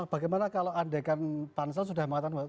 bagaimana kalau andekan pansel sudah mengatakan